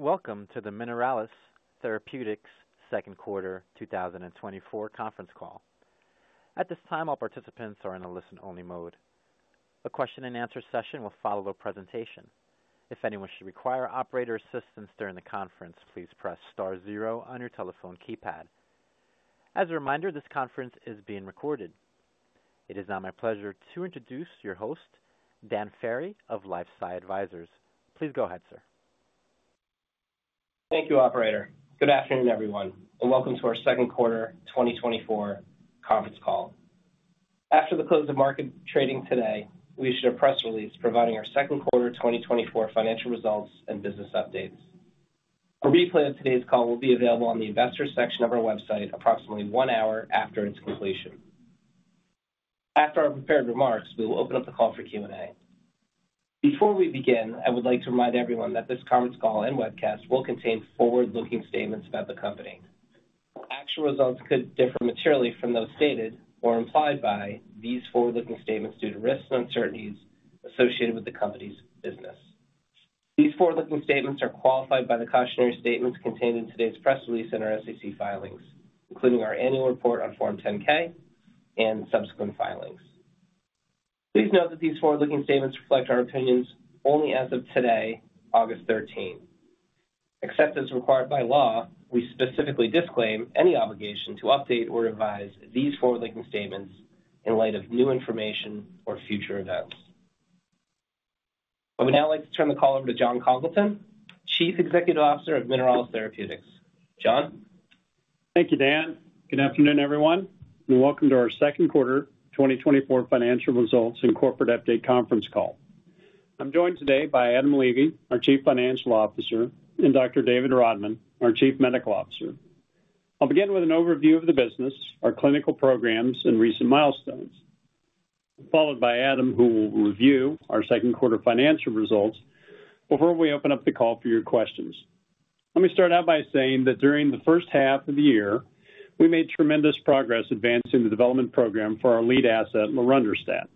Welcome to the Mineralys Therapeutics second quarter 2024 conference call. At this time, all participants are in a listen-only mode. A question and answer session will follow the presentation. If anyone should require operator assistance during the conference, please press star zero on your telephone keypad. As a reminder, this conference is being recorded. It is now my pleasure to introduce your host, Dan Ferry of LifeSci Advisors. Please go ahead, sir. Thank you, operator. Good afternoon, everyone, and welcome to our second quarter 2024 conference call. After the close of market trading today, we issued a press release providing our second quarter 2024 financial results and business updates. A replay of today's call will be available on the investors section of our website approximately 1 hour after its completion. After our prepared remarks, we will open up the call for Q&A. Before we begin, I would like to remind everyone that this conference call and webcast will contain forward-looking statements about the company. Actual results could differ materially from those stated or implied by these forward-looking statements due to risks and uncertainties associated with the company's business. These forward-looking statements are qualified by the cautionary statements contained in today's press release and our SEC filings, including our annual report on Form 10-K and subsequent filings. Please note that these forward-looking statements reflect our opinions only as of today, August thirteenth. Except as required by law, we specifically disclaim any obligation to update or revise these forward-looking statements in light of new information or future events. I would now like to turn the call over to Jon Congleton, Chief Executive Officer of Mineralys Therapeutics. Jon? Thank you, Dan. Good afternoon, everyone, and welcome to our second quarter 2024 financial results and corporate update conference call. I'm joined today by Adam Levy, our Chief Financial Officer, and Dr. David Rodman, our Chief Medical Officer. I'll begin with an overview of the business, our clinical programs, and recent milestones, followed by Adam, who will review our second quarter financial results before we open up the call for your questions. Let me start out by saying that during the first half of the year, we made tremendous progress advancing the development program for our lead asset, lorundrostat.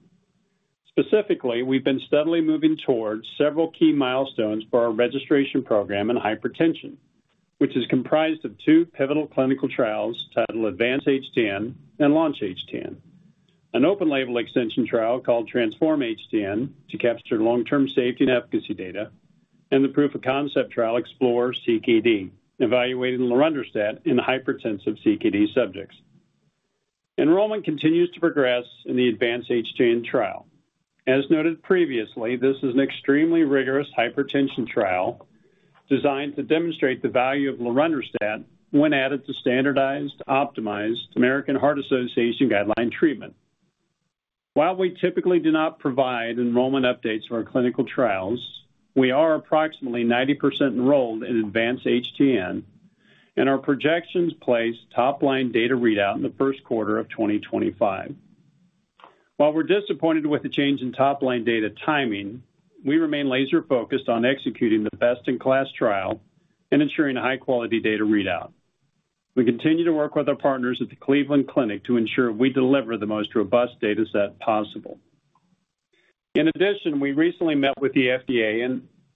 Specifically, we've been steadily moving towards several key milestones for our registration program in hypertension, which is comprised of two pivotal clinical trials titled ADVANCE-HTN and LAUNCH-HTN, an open label extension trial called TRANSFORM-HTN to capture long-term safety and efficacy data, and the proof of concept trial EXPLORER-CKD, evaluating lorundrostat in hypertensive CKD subjects. Enrollment continues to progress in the ADVANCE-HTN trial. As noted previously, this is an extremely rigorous hypertension trial designed to demonstrate the value of lorundrostat when added to standardized, optimized American Heart Association guideline treatment. While we typically do not provide enrollment updates for our clinical trials, we are approximately 90% enrolled in ADVANCE-HTN, and our projections place top-line data readout in the first quarter of 2025. While we're disappointed with the change in top-line data timing, we remain laser-focused on executing the best-in-class trial and ensuring a high-quality data readout. We continue to work with our partners at the Cleveland Clinic to ensure we deliver the most robust data set possible. In addition, we recently met with the FDA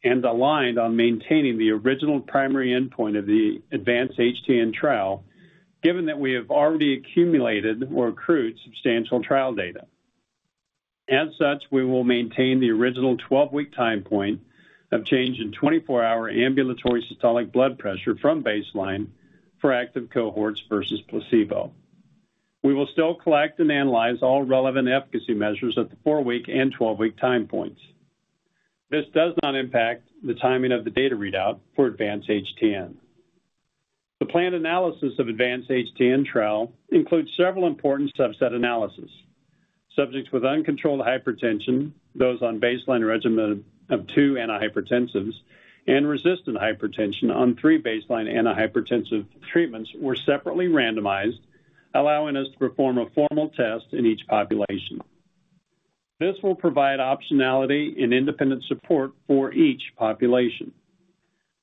and aligned on maintaining the original primary endpoint of the ADVANCE-HTN trial, given that we have already accumulated or accrued substantial trial data. As such, we will maintain the original 12-week time point of change in 24-hour ambulatory systolic blood pressure from baseline for active cohorts versus placebo. We will still collect and analyze all relevant efficacy measures at the 4-week and 12-week time points. This does not impact the timing of the data readout for ADVANCE-HTN. The planned analysis of ADVANCE-HTN trial includes several important subset analysis. Subjects with uncontrolled hypertension, those on baseline regimen of 2 antihypertensives, and resistant hypertension on 3 baseline antihypertensive treatments were separately randomized, allowing us to perform a formal test in each population. This will provide optionality and independent support for each population.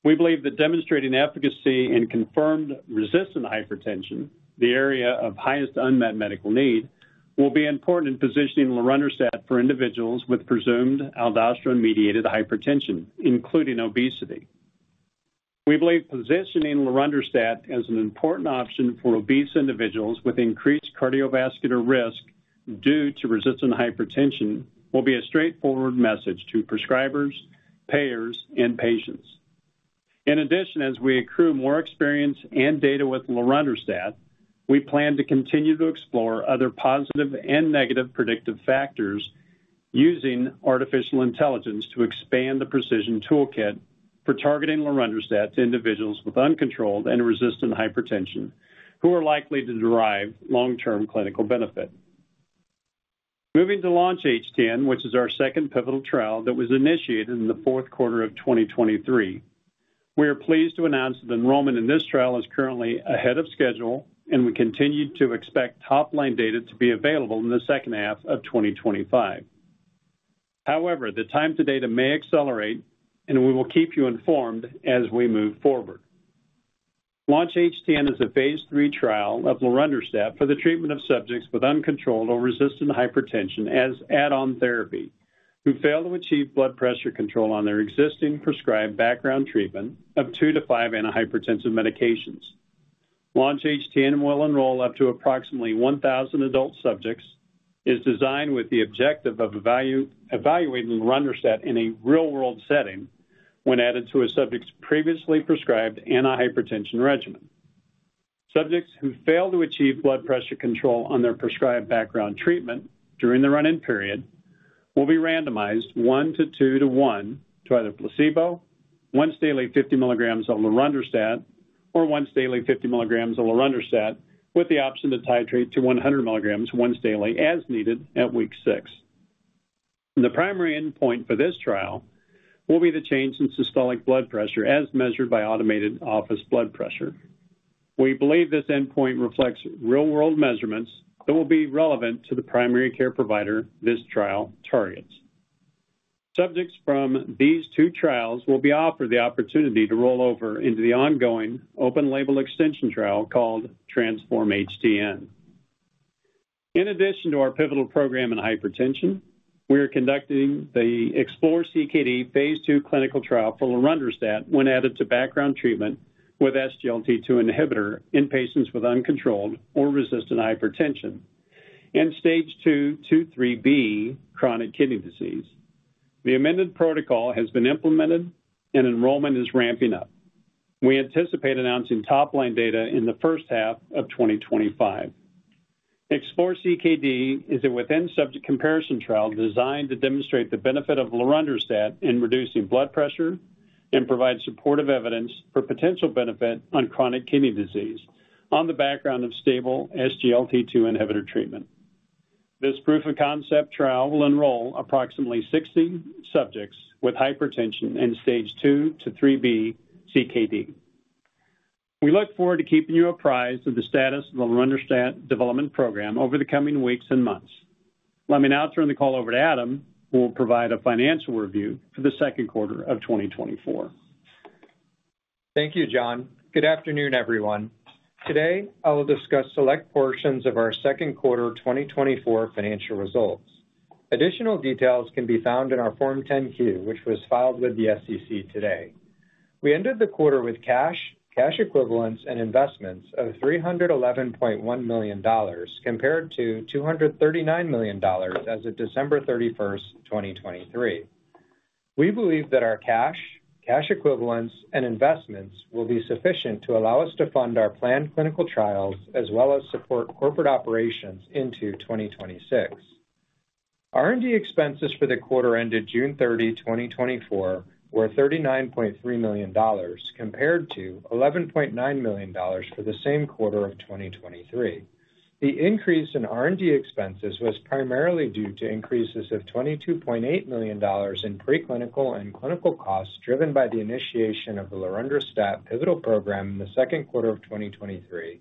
We believe that demonstrating efficacy in confirmed resistant hypertension, the area of highest unmet medical need, will be important in positioning lorundrostat for individuals with presumed aldosterone-mediated hypertension, including obesity. We believe positioning lorundrostat as an important option for obese individuals with increased cardiovascular risk due to resistant hypertension will be a straightforward message to prescribers, payers, and patients. In addition, as we accrue more experience and data with lorundrostat, we plan to continue to explore other positive and negative predictive factors using artificial intelligence to expand the precision toolkit for targeting lorundrostat to individuals with uncontrolled and resistant hypertension who are likely to derive long-term clinical benefit. Moving to LAUNCH-HTN, which is our second pivotal trial that was initiated in the fourth quarter of 2023. We are pleased to announce that enrollment in this trial is currently ahead of schedule, and we continue to expect top-line data to be available in the second half of 2025. However, the time to data may accelerate, and we will keep you informed as we move forward. LAUNCH-HTN is a Phase III trial of lorundrostat for the treatment of subjects with uncontrolled or resistant hypertension as add-on therapy, who failed to achieve blood pressure control on their existing prescribed background treatment of 2-5 antihypertensive medications. LAUNCH-HTN will enroll up to approximately 1,000 adult subjects, is designed with the objective of evaluating lorundrostat in a real-world setting when added to a subject's previously prescribed antihypertensive regimen. Subjects who fail to achieve blood pressure control on their prescribed background treatment during the run-in period will be randomized 1 to 2 to 1 to either placebo, once daily 50 milligrams of lorundrostat, or once daily 50 milligrams of lorundrostat, with the option to titrate to 100 milligrams once daily as needed at week 6. The primary endpoint for this trial will be the change in systolic blood pressure, as measured by automated office blood pressure. We believe this endpoint reflects real-world measurements that will be relevant to the primary care provider this trial targets. Subjects from these two trials will be offered the opportunity to roll over into the ongoing open label extension trial called TRANSFORM-HTN. In addition to our pivotal program in hypertension, we are conducting the EXPLORER-CKD Phase II clinical trial for lorundrostat when added to background treatment with SGLT2 inhibitor in patients with uncontrolled or resistant hypertension and Stage 2 to 3b chronic kidney disease. The amended protocol has been implemented and enrollment is ramping up. We anticipate announcing top-line data in the first half of 2025. EXPLORER-CKD is a within-subject comparison trial designed to demonstrate the benefit of lorundrostat in reducing blood pressure and provide supportive evidence for potential benefit on chronic kidney disease on the background of stable SGLT2 inhibitor treatment. This proof of concept trial will enroll approximately 60 subjects with hypertension in Stage 2 to 3b CKD. We look forward to keeping you apprised of the status of the lorundrostat development program over the coming weeks and months. Let me now turn the call over to Adam, who will provide a financial review for the second quarter of 2024. Thank you, Jon. Good afternoon, everyone. Today, I will discuss select portions of our second quarter 2024 financial results. Additional details can be found in our Form 10-Q, which was filed with the SEC today. We ended the quarter with cash, cash equivalents, and investments of $311.1 million, compared to $239 million as of December 31, 2023. We believe that our cash, cash equivalents, and investments will be sufficient to allow us to fund our planned clinical trials, as well as support corporate operations into 2026. R&D expenses for the quarter ended June 30, 2024, were $39.3 million, compared to $11.9 million for the same quarter of 2023. The increase in R&D expenses was primarily due to increases of $22.8 million in preclinical and clinical costs, driven by the initiation of the lorundrostat pivotal program in the second quarter of 2023,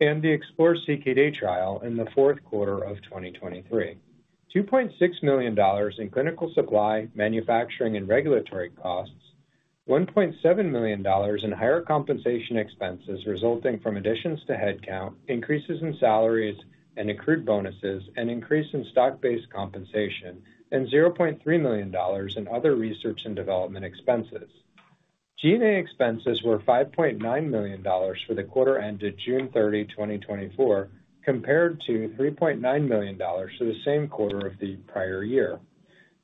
and the EXPLORER CKD trial in the fourth quarter of 2023. $2.6 million in clinical supply, manufacturing, and regulatory costs, $1.7 million in higher compensation expenses resulting from additions to headcount, increases in salaries and accrued bonuses, and increase in stock-based compensation, and $0.3 million in other research and development expenses. G&A expenses were $5.9 million for the quarter ended June 30, 2024, compared to $3.9 million for the same quarter of the prior year.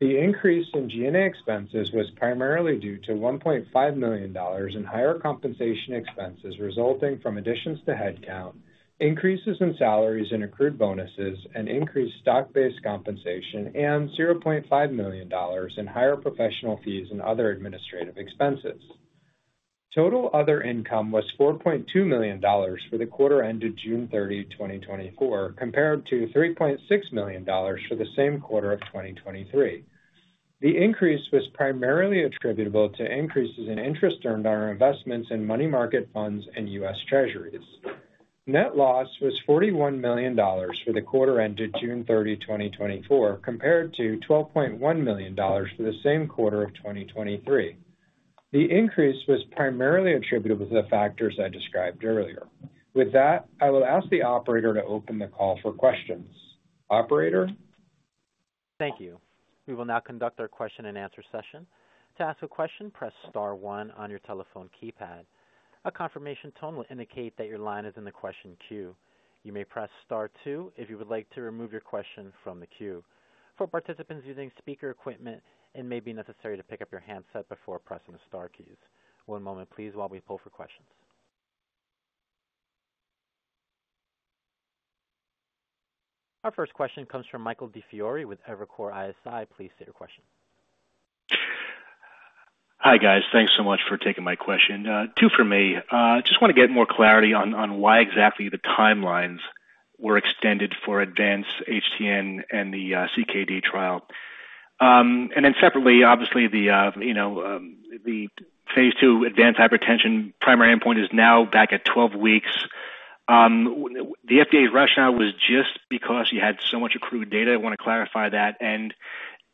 The increase in G&A expenses was primarily due to $1.5 million in higher compensation expenses resulting from additions to headcount, increases in salaries and accrued bonuses, and increased stock-based compensation, and $0.5 million in higher professional fees and other administrative expenses. Total other income was $4.2 million for the quarter ended June 30, 2024, compared to $3.6 million for the same quarter of 2023. The increase was primarily attributable to increases in interest earned on our investments in money market funds and US Treasuries. Net loss was $41 million for the quarter ended June 30, 2024, compared to $12.1 million for the same quarter of 2023. The increase was primarily attributable to the factors I described earlier. With that, I will ask the operator to open the call for questions. Operator? Thank you. We will now conduct our question-and-answer session. To ask a question, press star one on your telephone keypad. A confirmation tone will indicate that your line is in the question queue. You may press star two if you would like to remove your question from the queue. For participants using speaker equipment, it may be necessary to pick up your handset before pressing the star keys. One moment please, while we pull for questions. Our first question comes from Michael DiFiore with Evercore ISI. Please state your question. Hi, guys. Thanks so much for taking my question. Two for me. Just want to get more clarity on why exactly the timelines were extended for ADVANCE-HTN and the CKD trial. And then separately, obviously, you know, the phase 2 ADVANCE-HTN primary endpoint is now back at 12 weeks. The FDA's rationale was just because you had so much accrued data? I wanna clarify that. And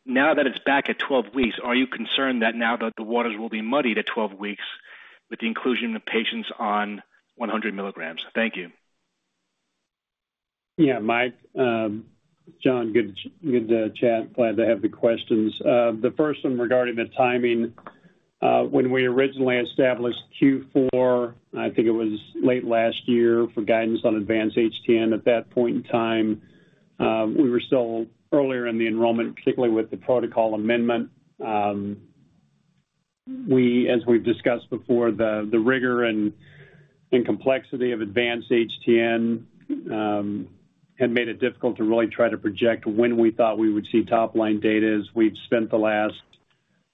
now that it's back at 12 weeks, are you concerned that now the waters will be muddied at 12 weeks with the inclusion of patients on 100 milligrams? Thank you. Yeah, Mike. Jon, good to, good to chat. Glad to have the questions. The first one regarding the timing, when we originally established Q4, I think it was late last year, for guidance on ADVANCE-HTN, at that point in time, we were still earlier in the enrollment, particularly with the protocol amendment. As we've discussed before, the rigor and complexity of ADVANCE-HTN had made it difficult to really try to project when we thought we would see top-line data, as we've spent the last,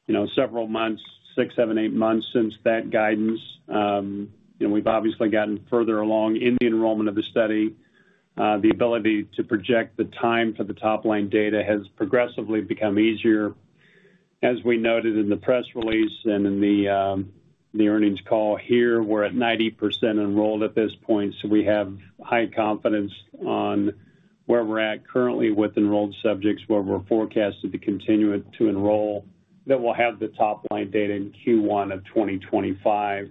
you know, several months, 6, 7, 8 months since that guidance. And we've obviously gotten further along in the enrollment of the study. The ability to project the time for the top-line data has progressively become easier. As we noted in the press release and in the, the earnings call here, we're at 90% enrolled at this point, so we have high confidence on where we're at currently with enrolled subjects, where we're forecasted to continue to enroll, that we'll have the top-line data in Q1 of 2025.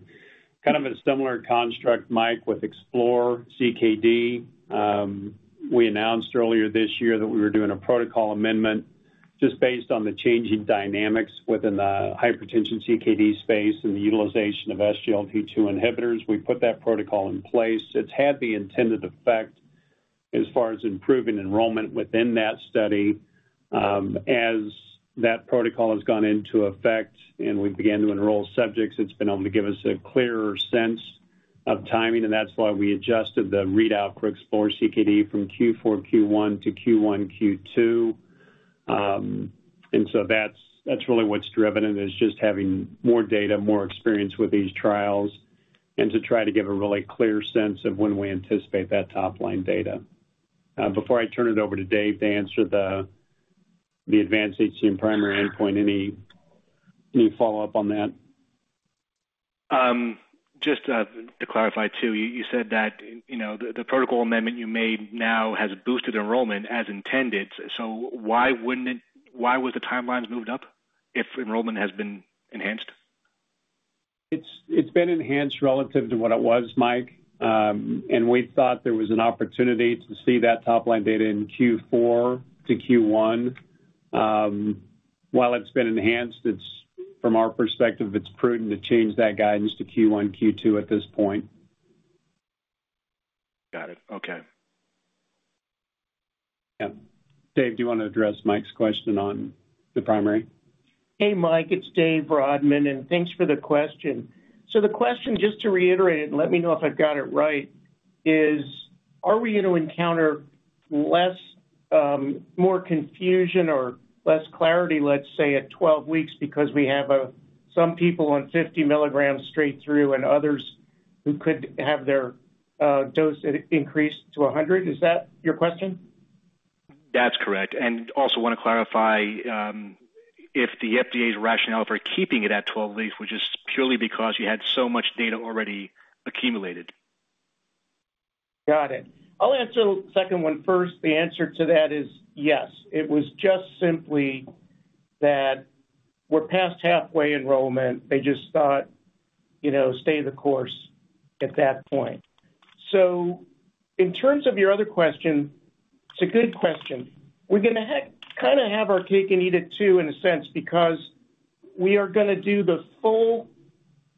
Kind of a similar construct, Mike, with EXPLORER CKD. We announced earlier this year that we were doing a protocol amendment just based on the changing dynamics within the hypertension CKD space and the utilization of SGLT2 inhibitors. We put that protocol in place. It's had the intended effect as far as improving enrollment within that study. As that protocol has gone into effect and we began to enroll subjects, it's been able to give us a clearer sense of timing, and that's why we adjusted the readout for EXPLORER CKD from Q4, Q1 to Q1, Q2. And so that's, that's really what's driven it, is just having more data, more experience with these trials, and to try to give a really clear sense of when we anticipate that top-line data. Before I turn it over to Dave to answer the ADVANCE HTN primary endpoint, any follow-up on that? Just, to clarify, too, you said that, you know, the protocol amendment you made now has boosted enrollment as intended. So why wouldn't it? Why was the timelines moved up if enrollment has been enhanced? It's been enhanced relative to what it was, Mike. And we thought there was an opportunity to see that top-line data in Q4 to Q1. While it's been enhanced, it's from our perspective, it's prudent to change that guidance to Q1, Q2 at this point. Got it. Okay. Yeah. Dave, do you wanna address Mike's question on the primary? Hey, Mike, it's David Rodman, and thanks for the question. So the question, just to reiterate, and let me know if I've got it right, is, are we gonna encounter less, more confusion or less clarity, let's say, at 12 weeks because we have some people on 50 milligrams straight through and others who could have their dose increased to 100? Is that your question? That's correct. And also wanna clarify, if the FDA's rationale for keeping it at 12 weeks, which is purely because you had so much data already accumulated. Got it. I'll answer the second one first. The answer to that is yes. It was just simply that we're past halfway enrollment. They just thought, you know, stay the course at that point. So in terms of your other question, it's a good question. We're gonna kind of have our cake and eat it, too, in a sense, because we are gonna do the full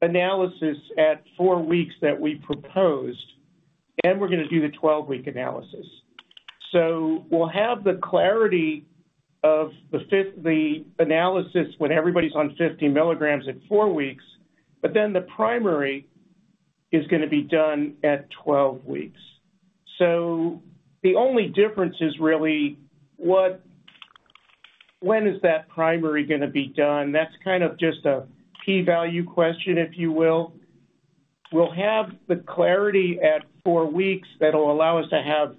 analysis at 4 weeks that we proposed, and we're gonna do the 12-week analysis. So we'll have the clarity of the analysis when everybody's on 50 milligrams at 4 weeks, but then the primary is gonna be done at 12 weeks. So the only difference is really when is that primary gonna be done? That's kind of just a p-value question, if you will. We'll have the clarity at four weeks that'll allow us to have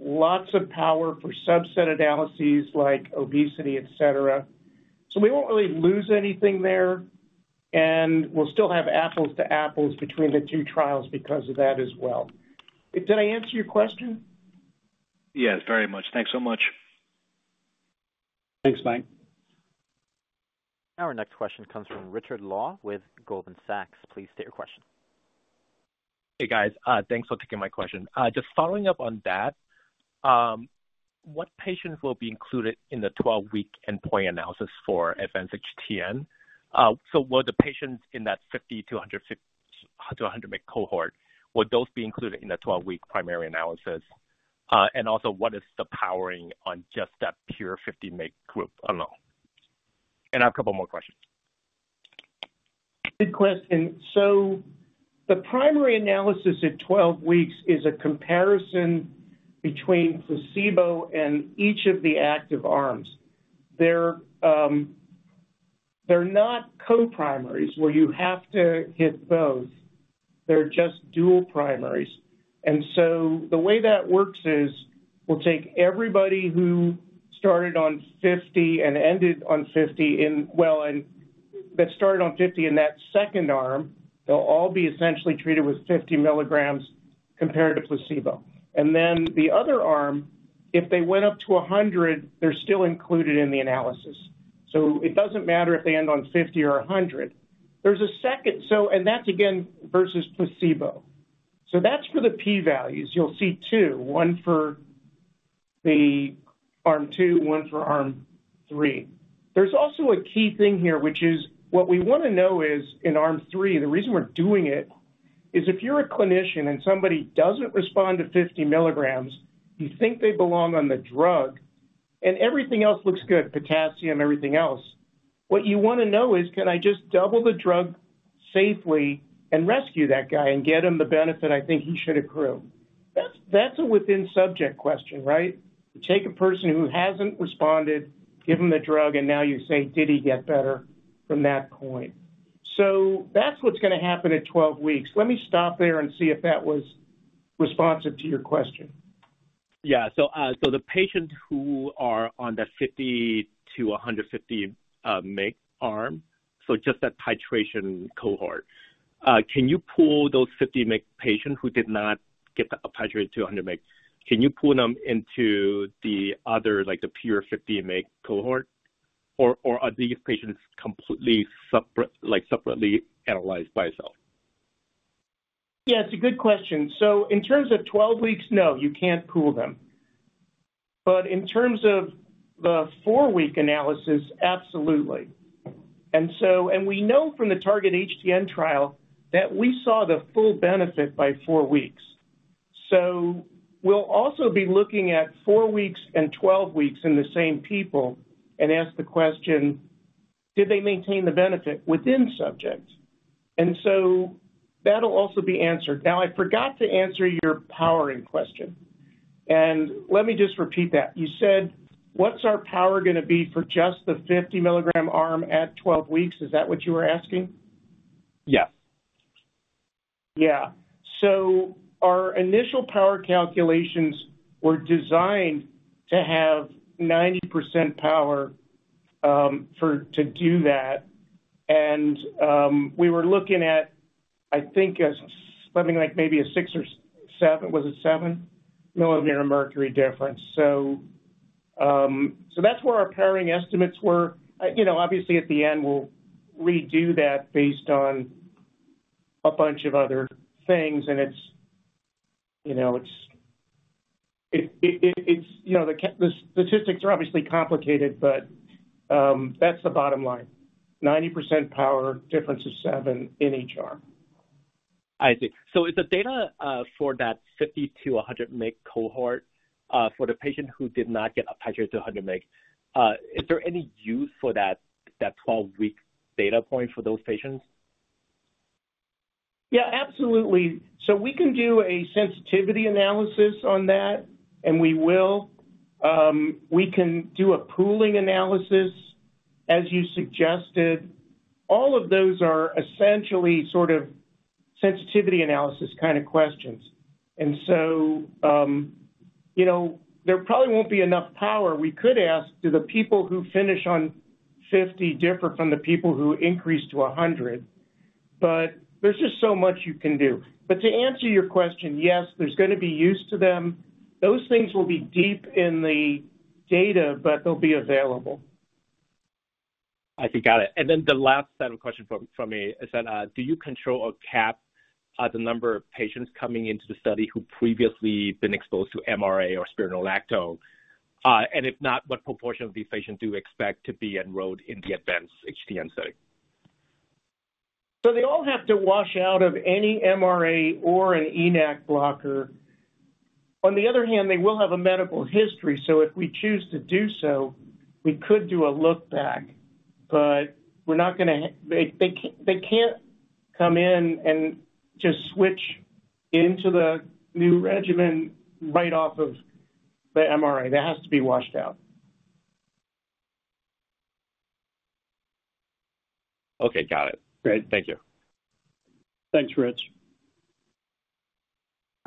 lots of power for subset analyses like obesity, et cetera. We won't really lose anything there, and we'll still have apples to apples between the two trials because of that as well. Did I answer your question? Yes, very much. Thanks so much. Thanks, Mike. Our next question comes from Richard Law with Goldman Sachs. Please state your question. Hey, guys. Thanks for taking my question. Just following up on that, what patients will be included in the 12-week endpoint analysis for ADVANCE HTN? So will the patients in that 50 to 100 mg cohort, would those be included in the 12-week primary analysis? And also, what is the powering on just that pure 50 mg group alone? And I have a couple more questions. Good question. So the primary analysis at 12 weeks is a comparison between placebo and each of the active arms. They're, they're not co-primaries, where you have to hit both. They're just dual primaries. And so the way that works is, we'll take everybody who started on 50 and ended on 50, that started on 50 in that second arm, they'll all be essentially treated with 50 milligrams compared to placebo. And then the other arm, if they went up to 100, they're still included in the analysis. So it doesn't matter if they end on 50 or 100. There's a second, so and that's again, versus placebo. So that's for the p values. You'll see 2, 1 for arm 2, 1 for arm 3. There's also a key thing here, which is what we wanna know is in arm three, the reason we're doing it is if you're a clinician and somebody doesn't respond to 50 milligrams, you think they belong on the drug, and everything else looks good, potassium, everything else. What you wanna know is, can I just double the drug safely and rescue that guy and get him the benefit I think he should accrue? That's, that's a within-subject question, right? You take a person who hasn't responded, give him the drug, and now you say, "Did he get better from that point?" So that's what's gonna happen at 12 weeks. Let me stop there and see if that was responsive to your question. Yeah. So, the patients who are on the 50 to 150 mg arm, so just that titration cohort, can you pull those 50 mg patients who did not get titrated to 100 mg? Can you pull them into the other, like the pure 50 mg cohort, or, or are these patients completely separate, like, separately analyzed by itself? Yeah, it's a good question. So in terms of 12 weeks, no, you can't pool them. But in terms of the 4-week analysis, absolutely. And so, and we know from the Target-HTN trial that we saw the full benefit by 4 weeks. So we'll also be looking at 4 weeks and 12 weeks in the same people and ask the question, did they maintain the benefit within subjects? And so that'll also be answered. Now, I forgot to answer your powering question, and let me just repeat that. You said, what's our power gonna be for just the 50-milligram arm at 12 weeks? Is that what you were asking? Yeah. Yeah. So our initial power calculations were designed to have 90% power for to do that. We were looking at, I think, something like maybe a 6 or 7, was it 7, mm Hg difference. So that's where our powering estimates were. You know, obviously at the end, we'll redo that based on a bunch of other things, and it's, you know, the statistics are obviously complicated, but that's the bottom line. 90% power, difference of 7 in each arm. I see. So is the data for that 50-100 mg cohort for the patient who did not get up titrated to a 100 mg, is there any use for that twelve-week data point for those patients? Yeah, absolutely. So we can do a sensitivity analysis on that, and we will. We can do a pooling analysis, as you suggested. All of those are essentially sort of sensitivity analysis kind of questions. And so, you know, there probably won't be enough power. We could ask, do the people who finish on 50 differ from the people who increase to 100? But there's just so much you can do. But to answer your question, yes, there's gonna be use to them. Those things will be deep in the data, but they'll be available. I think, got it. And then the last set of questions from me is that, do you control or cap the number of patients coming into the study who previously been exposed to MRA or spironolactone? And if not, what proportion of these patients do you expect to be enrolled in the ADVANCE HTN study? So they all have to wash out of any MRA or an ENaC blocker. On the other hand, they will have a medical history, so if we choose to do so, we could do a look back, but we're not gonna, they can't come in and just switch into the new regimen right off of the MRA. That has to be washed out. Okay, got it. Great. Thank you. Thanks, Rich.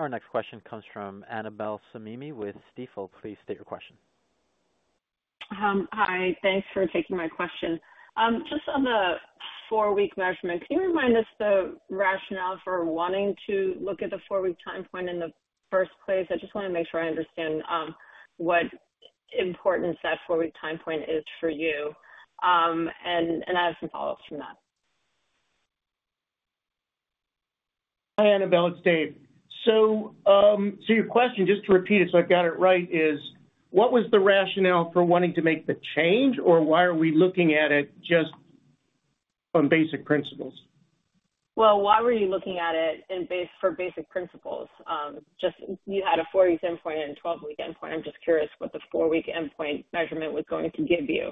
Our next question comes from Annabel Samimy with Stifel. Please state your question. Hi, thanks for taking my question. Just on the four-week measurement, can you remind us the rationale for wanting to look at the four-week time point in the first place? I just wanna make sure I understand what importance that four-week time point is for you. And I have some follow-ups from that. Hi, Annabel, it's Dave. So, so your question, just to repeat it so I've got it right, is: What was the rationale for wanting to make the change, or why are we looking at it just from basic principles? Well, why were you looking at it for basic principles? Just you had a 40-week endpoint and 12-week endpoint. I'm just curious what the 4-week endpoint measurement was going to give you.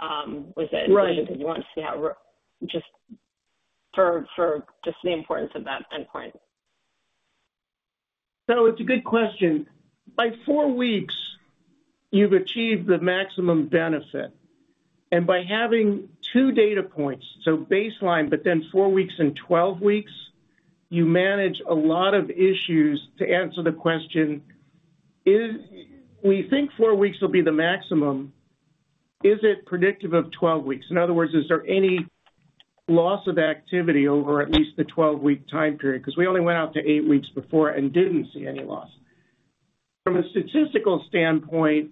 Was it- Right. because you want to see how, just for the importance of that endpoint. So it's a good question. By 4 weeks, you've achieved the maximum benefit, and by having two data points, so baseline, but then 4 weeks and 12 weeks, you manage a lot of issues to answer the question. We think 4 weeks will be the maximum. Is it predictive of 12 weeks? In other words, is there any loss of activity over at least the 12-week time period? Because we only went out to 8 weeks before and didn't see any loss. From a statistical standpoint,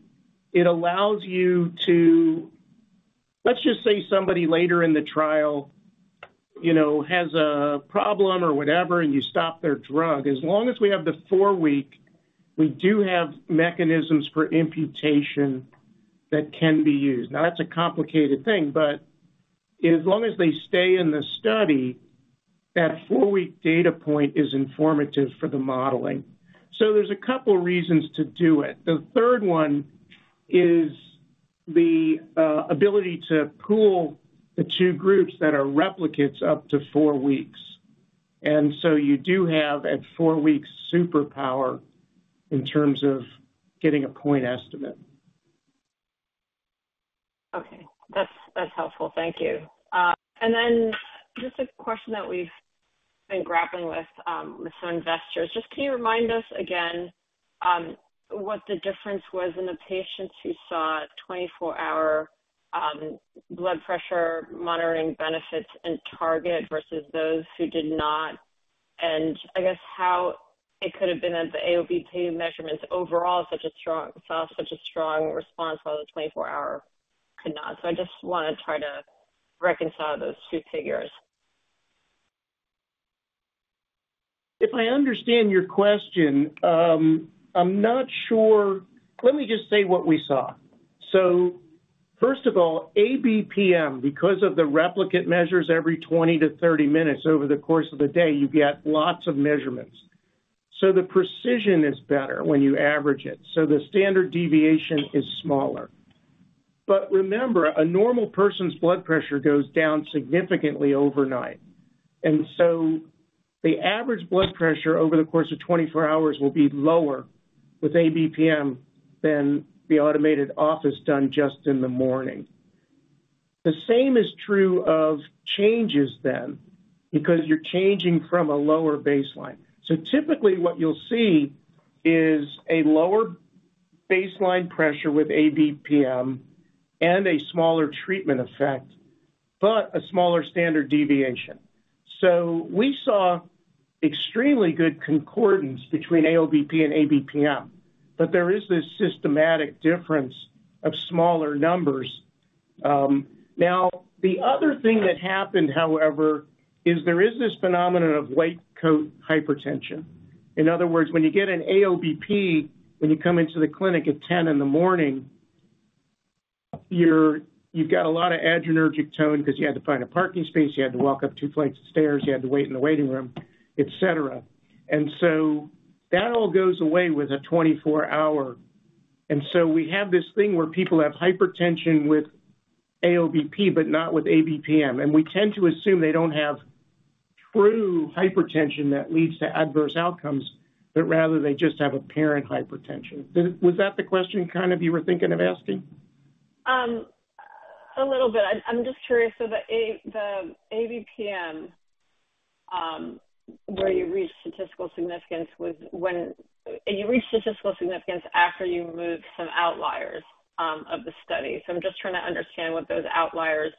it allows you to, let's just say somebody later in the trial, you know, has a problem or whatever, and you stop their drug. As long as we have the 4-week, we do have mechanisms for imputation that can be used. Now, that's a complicated thing, but as long as they stay in the study, that four-week data point is informative for the modeling. So there's a couple reasons to do it. The third one is the ability to pool the two groups that are replicates up to four weeks. And so you do have, at four weeks, superpower in terms of getting a point estimate. Okay. That's, that's helpful. Thank you. And then just a question that we've been grappling with, with some investors. Just can you remind us again, what the difference was in the patients who saw 24-hour blood pressure monitoring benefits and target versus those who did not? And I guess how it could have been that the AOBP measurements overall saw such a strong response while the 24-hour could not. So I just want to try to reconcile those two figures. If I understand your question, I'm not sure. Let me just say what we saw. So first of all, ABPM, because of the replicate measures every 20 to 30 minutes over the course of the day, you get lots of measurements. So the precision is better when you average it, so the standard deviation is smaller. But remember, a normal person's blood pressure goes down significantly overnight, and so the average blood pressure over the course of 24 hours will be lower with ABPM than the automated office done just in the morning. The same is true of changes then, because you're changing from a lower baseline. So typically, what you'll see is a lower baseline pressure with ABPM and a smaller treatment effect, but a smaller standard deviation. So we saw extremely good concordance between AOBP and ABPM, but there is this systematic difference of smaller numbers. Now, the other thing that happened, however, is there is this phenomenon of white coat hypertension. In other words, when you get an AOBP, when you come into the clinic at 10:00 A.M., you've got a lot of adrenergic tone because you had to find a parking space, you had to walk up two flights of stairs, you had to wait in the waiting room, et cetera. And so that all goes away with a 24-hour. And so we have this thing where people have hypertension with AOBP, but not with ABPM, and we tend to assume they don't have true hypertension that leads to adverse outcomes, but rather they just have apparent hypertension. Was that the question kind of you were thinking of asking? A little bit. I'm just curious. So the ABPM, where you reached statistical significance, was when you reached statistical significance after you removed some outliers of the study. So I'm just trying to understand what those outliers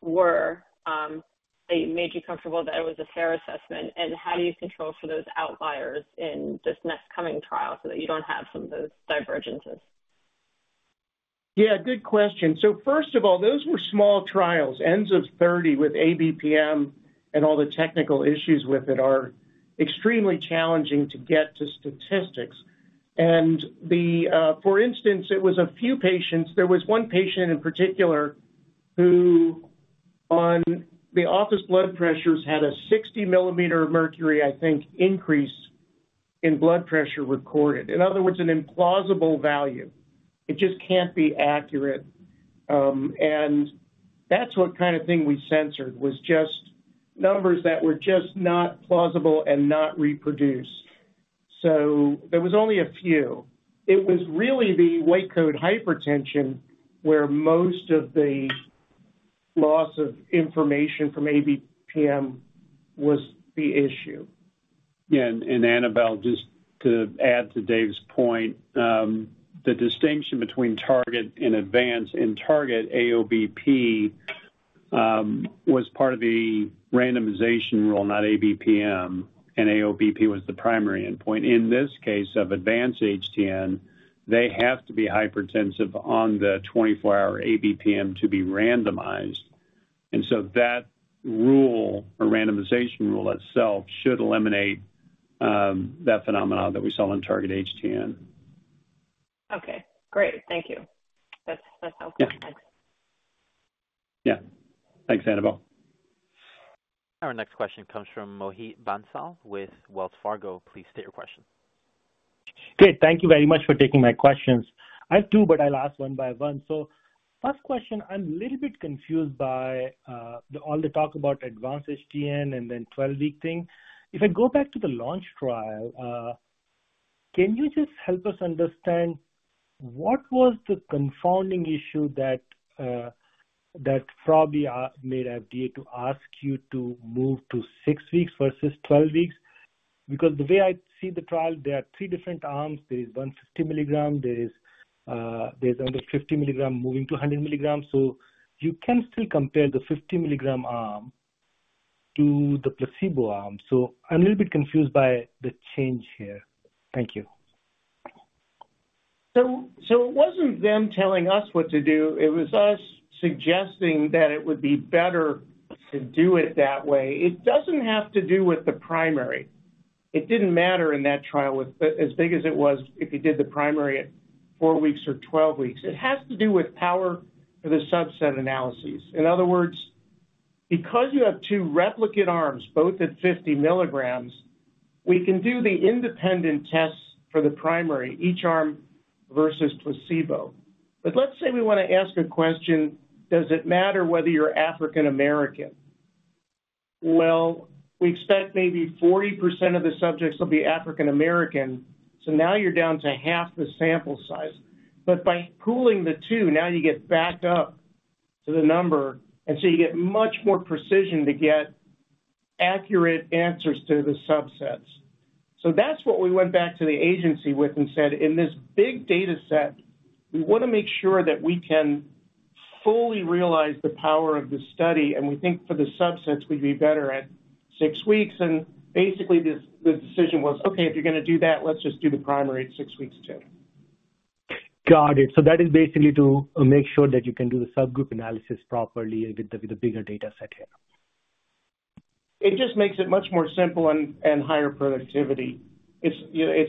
were that made you comfortable that it was a fair assessment. And how do you control for those outliers in this next coming trial so that you don't have some of those divergences? Yeah, good question. So first of all, those were small trials, n's of 30 with ABPM and all the technical issues with it are extremely challenging to get to statistics. And the, for instance, it was a few patients. There was one patient in particular who, on the office blood pressures, had a 60 millimeter of mercury, I think, increase in blood pressure recorded. In other words, an implausible value. It just can't be accurate. And that's what kind of thing we censored, was just numbers that were just not plausible and not reproduced. So there was only a few. It was really the white coat hypertension, where most of the loss of information from ABPM was the issue. Yeah, and, Annabel, just to add to Dave's point, the distinction between Target-HTN and Advance-HTN in Target-HTN AOBP was part of the randomization rule, not ABPM, and AOBP was the primary endpoint. In this case of Advance-HTN, they have to be hypertensive on the 24-hour ABPM to be randomized. And so that rule or randomization rule itself should eliminate that phenomenon that we saw in Target-HTN. Okay, great. Thank you. That's, that's helpful. Yeah. Thanks. Yeah. Thanks, Annabel. Our next question comes from Mohit Bansal with Wells Fargo. Please state your question. Great, thank you very much for taking my questions. I have two, but I'll ask one by one. So first question, I'm a little bit confused by the all the talk about advanced HTN and then 12-week thing. If I go back to the launch trial, can you just help us understand what was the confounding issue that probably made FDA to ask you to move to 6 weeks versus 12 weeks? Because the way I see the trial, there are three different arms. There is one 50 milligram, there is there's under 50 milligram moving to 100 milligrams. So you can still compare the 50-milligram arm to the placebo arm. So I'm a little bit confused by the change here. Thank you. So, it wasn't them telling us what to do. It was us suggesting that it would be better to do it that way. It doesn't have to do with the primary. It didn't matter in that trial, with, as big as it was, if you did the primary at 4 weeks or 12 weeks. It has to do with power for the subset analyses. In other words, because you have two replicate arms, both at 50 milligrams, we can do the independent tests for the primary, each arm versus placebo. But let's say we want to ask a question: Does it matter whether you're African American? Well, we expect maybe 40% of the subjects will be African American, so now you're down to half the sample size. But by pooling the two, now you get back up to the number, and so you get much more precision to get accurate answers to the subsets. So that's what we went back to the agency with and said, "In this big data set, we want to make sure that we can fully realize the power of the study, and we think for the subsets, we'd be better at six weeks." And basically, this, the decision was, "Okay, if you're going to do that, let's just do the primary at six weeks, too. Got it. So that is basically to make sure that you can do the subgroup analysis properly and get the bigger data set here. It just makes it much more simple and higher productivity. It's, you know,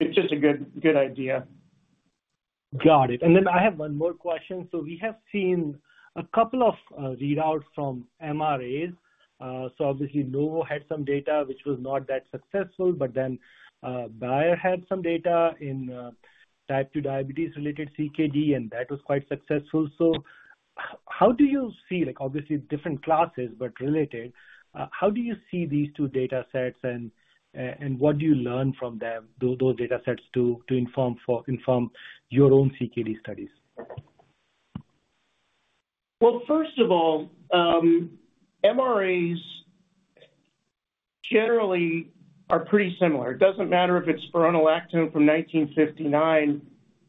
just a good idea. Got it. And then I have one more question. So we have seen a couple of readouts from MRAs. So obviously, Novo had some data which was not that successful, but then Bayer had some data in type two diabetes-related CKD, and that was quite successful. So how do you see, like, obviously, different classes, but related, how do you see these two data sets and what do you learn from them, those data sets to inform your own CKD studies? Well, first of all, MRAs generally are pretty similar. It doesn't matter if it's spironolactone from 1959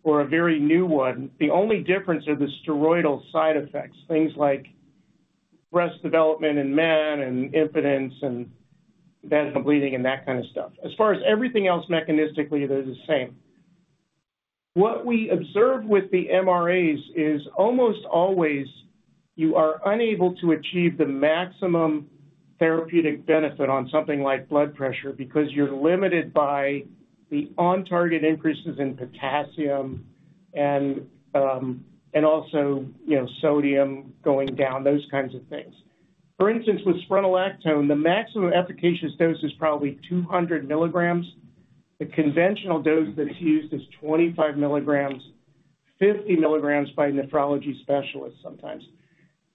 or a very new one. The only difference are the steroidal side effects, things like breast development in men and impotence and vaginal bleeding and that kind of stuff. As far as everything else, mechanistically, they're the same. What we observe with the MRAs is almost always you are unable to achieve the maximum therapeutic benefit on something like blood pressure, because you're limited by the on-target increases in potassium and, and also, you know, sodium going down, those kinds of things. For instance, with spironolactone, the maximum efficacious dose is probably 200 milligrams. The conventional dose that's used is 25 milligrams, 50 milligrams by nephrology specialists sometimes.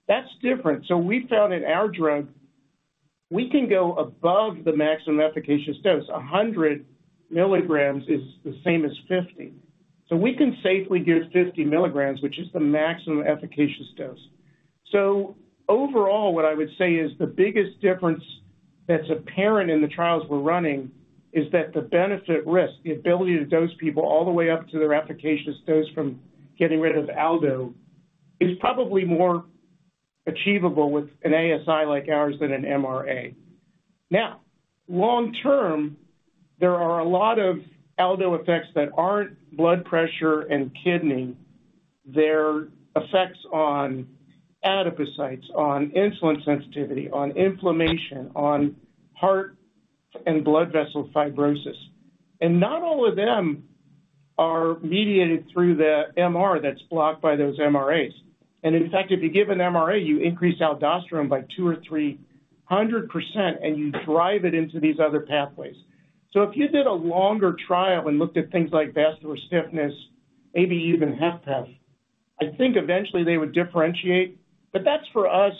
That's different. So we found in our drug, we can go above the maximum efficacious dose. 100 milligrams is the same as 50. So we can safely give 50 milligrams, which is the maximum efficacious dose. So overall, what I would say is the biggest difference that's apparent in the trials we're running is that the benefit-risk, the ability to dose people all the way up to their efficacious dose from getting rid of Aldo, is probably more achievable with an ASI like ours than an MRA. Now, long term, there are a lot of Aldo effects that aren't blood pressure and kidney. They're effects on adipocytes, on insulin sensitivity, on inflammation, on heart and blood vessel fibrosis, and not all of them are mediated through the MR that's blocked by those MRAs. In fact, if you give an MRA, you increase aldosterone by 200 or 300%, and you drive it into these other pathways. So if you did a longer trial and looked at things like vascular stiffness, maybe even HFpEF, I think eventually they would differentiate, but that's for us,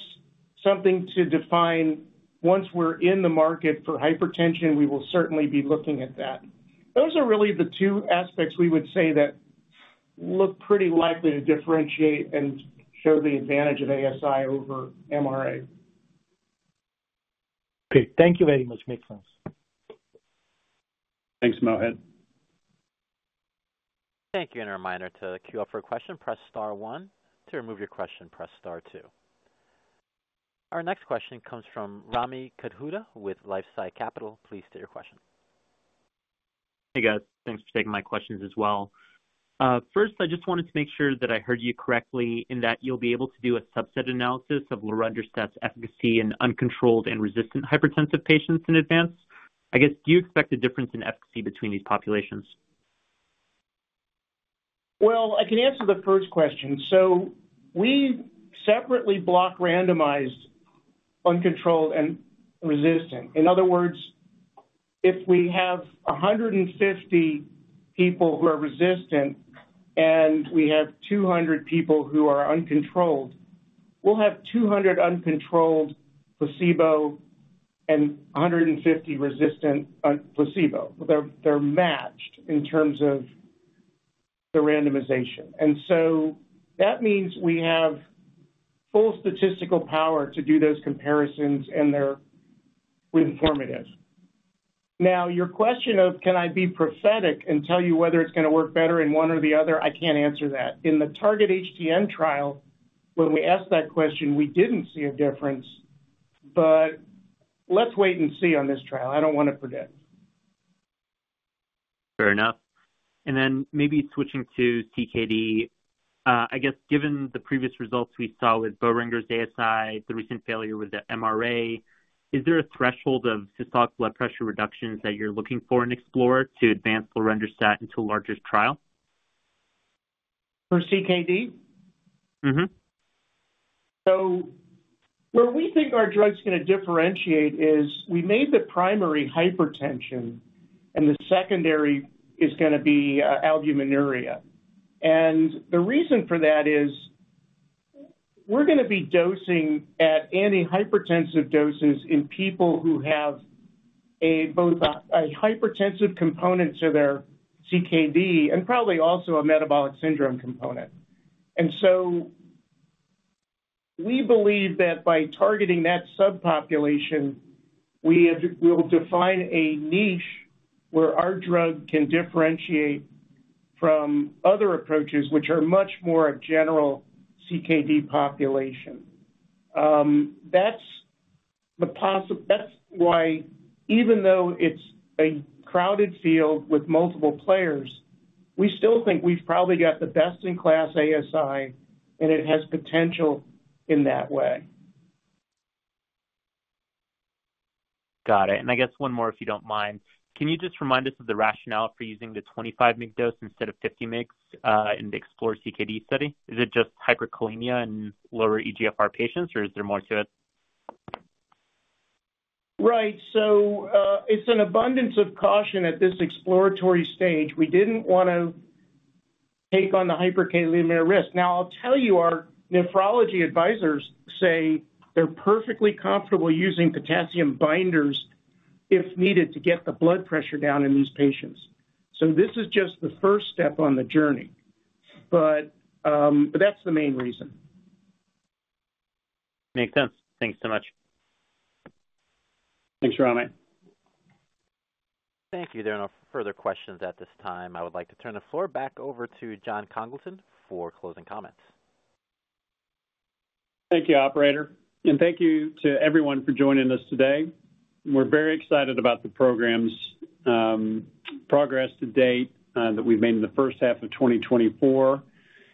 something to define. Once we're in the market for hypertension, we will certainly be looking at that. Those are really the two aspects we would say that look pretty likely to differentiate and show the advantage of ASI over MRA. Okay. Thank you very much. Makes sense. Thanks, Mohit. Thank you, and a reminder to queue up for a question, press star one. To remove your question, press star two. Our next question comes from Rami Katkhuda with LifeSci Capital. Please state your question. Hey, guys. Thanks for taking my questions as well. First, I just wanted to make sure that I heard you correctly, in that you'll be able to do a subset analysis of lorundrostat's efficacy in uncontrolled and resistant hypertensive patients in Advance-HTN. I guess, do you expect a difference in efficacy between these populations? Well, I can answer the first question. So we separately block randomized, uncontrolled, and resistant. In other words, if we have 150 people who are resistant and we have 200 people who are uncontrolled, we'll have 200 uncontrolled placebo and 150 resistant placebo. They're matched in terms of the randomization. And so that means we have full statistical power to do those comparisons, and they're informative. Now, your question of, can I be prophetic and tell you whether it's gonna work better in one or the other? I can't answer that. In the Target-HTN trial, when we asked that question, we didn't see a difference, but let's wait and see on this trial. I don't want to predict. Fair enough. Then maybe switching to CKD, I guess, given the previous results we saw with Boehringer's ASI, the recent failure with the MRA, is there a threshold of systolic blood pressure reductions that you're looking for in EXPLORER to advance lorundrostat into a larger trial? For CKD? Mm-hmm. So where we think our drug's gonna differentiate is, we made the primary hypertension, and the secondary is gonna be, albuminuria. And the reason for that is, we're gonna be dosing at antihypertensive doses in people who have both a hypertensive component to their CKD and probably also a metabolic syndrome component. And so we believe that by targeting that subpopulation, we will define a niche where our drug can differentiate from other approaches, which are much more a general CKD population. That's why even though it's a crowded field with multiple players, we still think we've probably got the best-in-class ASI, and it has potential in that way. Got it. And I guess one more, if you don't mind. Can you just remind us of the rationale for using the 25 mg dose instead of 50 mgs in the Explore-CKD study? Is it just hyperkalemia in lower eGFR patients, or is there more to it? Right. So, it's an abundance of caution at this exploratory stage. We didn't want to take on the hyperkalemia risk. Now, I'll tell you, our nephrology advisors say they're perfectly comfortable using potassium binders, if needed, to get the blood pressure down in these patients. So this is just the first step on the journey, but that's the main reason. Makes sense. Thanks so much. Thanks, Rami. Thank you. There are no further questions at this time. I would like to turn the floor back over to Jon Congleton for closing comments. Thank you, operator, and thank you to everyone for joining us today. We're very excited about the program's progress to date, that we've made in the first half of 2024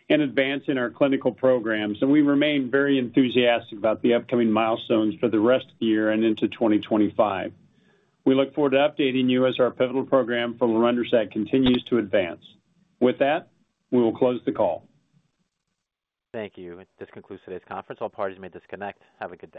and advancing our clinical programs. We remain very enthusiastic about the upcoming milestones for the rest of the year and into 2025. We look forward to updating you as our pivotal program for lorundrostat continues to advance. With that, we will close the call. Thank you. This concludes today's conference. All parties may disconnect. Have a good day.